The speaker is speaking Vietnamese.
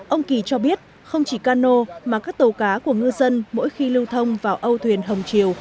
ông kỳ cho biết không chỉ cano mà các tàu cá của ngư dân mỗi khi lưu thông vào âu thuyền hồng triều